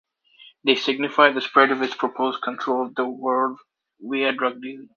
They signify the spread of his proposed control of the world via drug dealing.